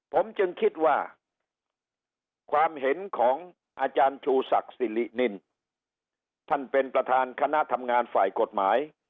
ผมจึงคิดว่าความเห็นของอาจารย์ชูศักดิ์สิรินินท่านเป็นประธานคณะทำงานฝ่ายกฎหมาย